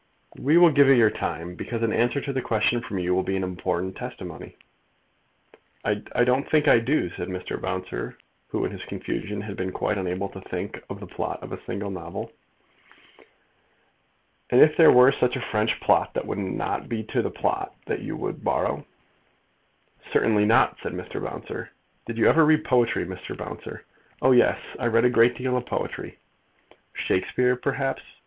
"We will give you your time, because an answer to the question from you will be important testimony." "I don't think I do," said Mr. Bouncer, who in his confusion had been quite unable to think of the plot of a single novel. "And if there were such a French plot that would not be the plot that you would borrow?" "Certainly not," said Mr. Bouncer. "Did you ever read poetry, Mr. Bouncer?" "Oh yes; I read a great deal of poetry." "Shakespeare, perhaps?"